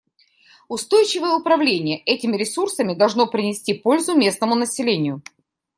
Устойчивое управление этими ресурсами должно принести пользу местному населению.